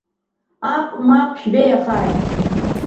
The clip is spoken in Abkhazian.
Ап, мап, шәбеиахааит!